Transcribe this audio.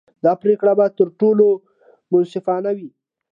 دا پرېکړه به تر ټولو منصفانه وي.